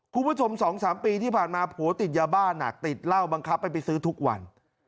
คุณผู้ชม๒๓ปีที่ผ่านมาผัวติดยาบ้านหนักติดเหล้าบังคับให้ไปซื้อทุกวัน